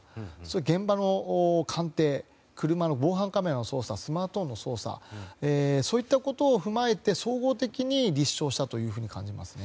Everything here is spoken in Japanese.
現場の鑑定車の防犯カメラの捜査スマートフォンの捜査そういったことを踏まえて総合的に立証したと感じますね。